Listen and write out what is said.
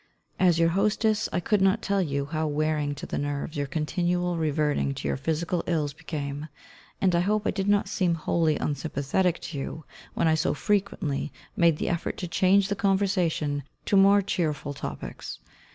As your hostess, I could not tell you how wearing to the nerves your continual reverting to your physical ills became: and I hope I did not seem wholly unsympathetic to you when I so frequently made the effort to change the conversation to more cheerful topics.